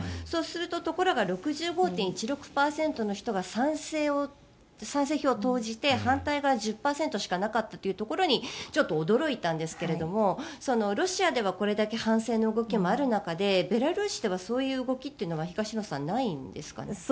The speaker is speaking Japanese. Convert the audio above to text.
そうすると、ところが６５．１６％の人が賛成票を投じて反対が１０％しかなかったというところにちょっと驚いたんですがロシアではこれだけ反戦の動きもある中でベラルーシではそういう動きはないんですかね？